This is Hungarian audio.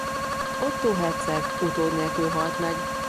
Ottó herceg utód nélkül halt meg.